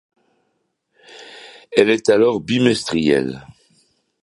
Elle est alors bimestrielle.